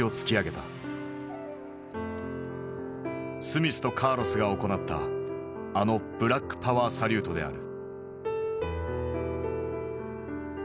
スミスとカーロスが行ったあのブラックパワー・サリュートである。